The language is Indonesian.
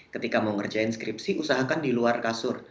ketika mau ngerjain skripsi usahakan diluar kasur